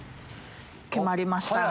決まりました。